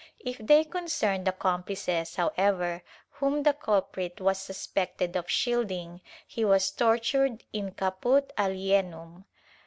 If they concerned accomplices, however, whom the culprit was suspected of shielding, he was tortured in caput alienum.